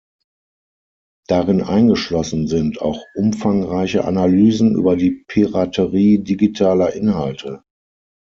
Darin eingeschlossen sind auch umfangreiche Analysen über die Piraterie digitaler Inhalte.